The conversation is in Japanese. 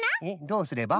どうすれば？